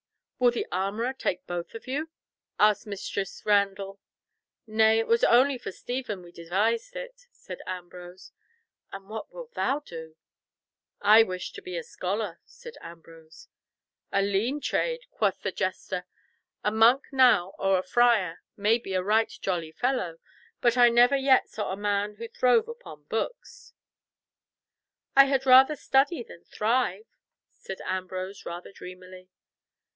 "Will the armourer take both of you?" asked Mistress Randall. "Nay, it was only for Stephen we devised it," said Ambrose. "And what wilt thou do?" "I wish to be a scholar," said Ambrose. "A lean trade," quoth the jester; "a monk now or a friar may be a right jolly fellow, but I never yet saw a man who throve upon books!" "I had rather study than thrive," said Ambrose rather dreamily.